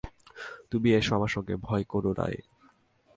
তুমি এসো আমার সঙ্গে, ভয় কোনো না।